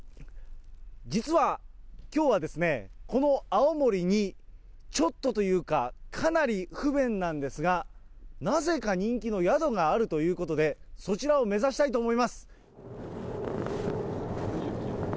実は、きょうはこの青森に、ちょっとというか、かなり不便なんですが、なぜか人気の宿があるということで、そちらを目指したいと思います。